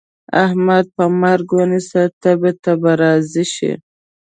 احمد په مرګ ونيسه؛ تبې ته به راضي شي.